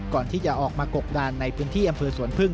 ก่อนที่จะออกมากบดานในพื้นที่อำเภอสวนพึ่ง